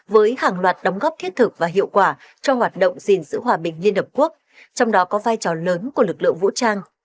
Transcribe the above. với hàng loạt đóng góp thiết thực và hiệu quả cho hoạt động gìn giữ hòa bình liên hợp quốc trong đó có vai trò lớn của lực lượng vũ trang